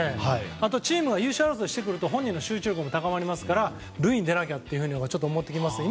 あとはチームが優勝争いすると本人の集中力も高まりますから、塁に出なきゃとちょっと思ってきますけど。